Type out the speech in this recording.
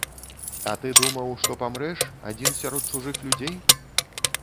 А ты думаў, што памрэш, адзін сярод чужых людзей?